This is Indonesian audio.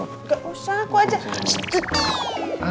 gak usah aku aja